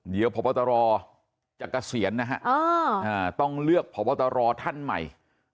เดี๋ยวพบตรจะเกษียณนะฮะต้องเลือกพบตรท่านใหม่